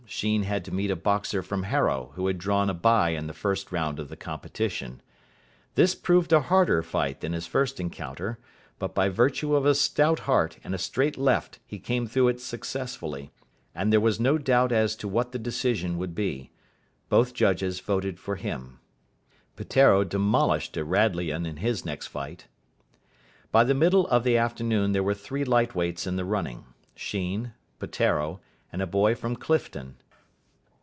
Sheen had to meet a boxer from Harrow who had drawn a bye in the first round of the competition. This proved a harder fight than his first encounter, but by virtue of a stout heart and a straight left he came through it successfully, and there was no doubt as to what the decision would be. Both judges voted for him. Peteiro demolished a Radleian in his next fight. By the middle of the afternoon there were three light weights in the running Sheen, Peteiro, and a boy from Clifton.